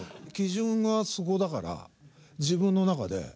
基準がそこだから自分の中で。